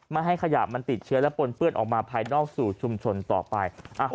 ไม่ให้ขยะมันติดเชื้อและปนเปื้อนออกมาภายนอกสู่ชุมชนต่อไป